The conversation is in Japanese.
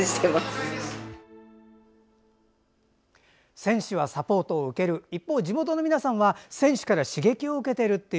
選手はサポートを受ける一方、地元の皆さんは選手から刺激を受けているという。